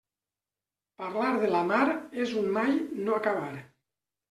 Parlar de la mar és un mai no acabar.